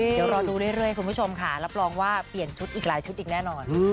เดี๋ยวรอดูเรื่อยคุณผู้ชมค่ะรับรองว่าเปลี่ยนชุดอีกหลายชุดอีกแน่นอน